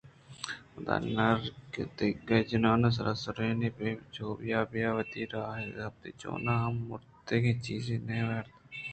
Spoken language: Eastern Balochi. پدا نہردگے جنانءُ سرا سُرینان ءَ چو بِہیا بِہیا ءَوتی راہ ءَ رَہ گپت (چوناہا ممّ مُرتگیں چیز ءَ نہ وارت) گُڑا آئی ءِ ہمبراہ درٛچک ءَ ایر اتک ءُ کندان ءَ وتی سنگت ءَ را پُریستے